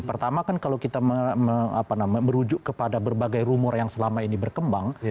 pertama kan kalau kita merujuk kepada berbagai rumor yang selama ini berkembang